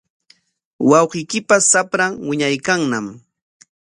Wawqiykipa shapran wiñaykanñam.